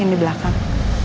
yang di belakang